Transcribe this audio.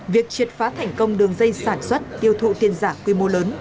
việc triệt phá thành công đường dây sản xuất tiêu thụ tiền giả quy mô lớn